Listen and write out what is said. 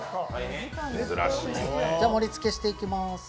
盛りつけしていきます。